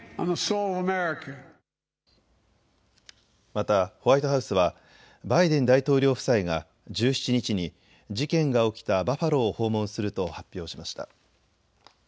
またホワイトハウスはバイデン大統領夫妻が１７日に事件が起きたバファローを訪問すると発表しました。